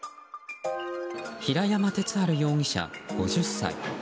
平山哲治容疑者、５０歳。